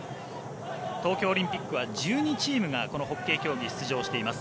東京オリンピックは１２チームがこのホッケー競技に出場しています。